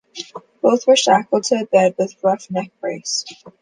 Both were shackled to a bed with a rough neck brace.